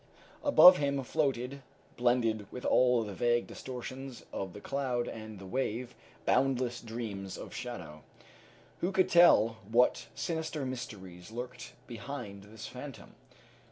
Above him floated, blended with all the vague distortions of the cloud and the wave, boundless dreams of shadow. Who could tell what sinister mysteries lurked behind this phantom?